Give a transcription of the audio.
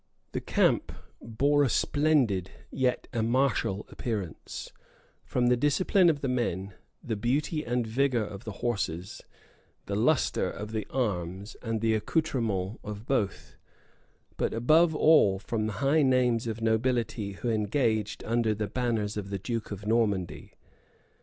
] The camp bore a splendid, yet a martial appearance, from the discipline of the men, the beauty and vigor of the horses, the lustre of the arms, and the accoutrements of both; but above all, from the high names of nobility who engaged under the banners of the duke of Normandy.